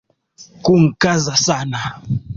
Kunkaza sana.